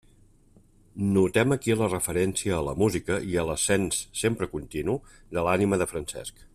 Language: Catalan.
Notem aquí la referència a la música i a l'ascens, sempre continu, de l'ànima de Francesc.